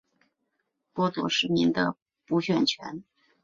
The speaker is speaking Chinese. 有关建议遭批评为严重扭曲选民意愿及剥夺市民的补选权。